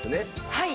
はい。